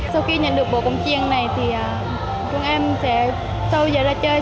sau khi nhận được bộ công chiêng này thì chúng em sẽ sâu dài ra chơi